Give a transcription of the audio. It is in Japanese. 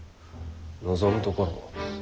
望むところ。